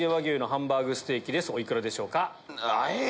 お幾らでしょうか？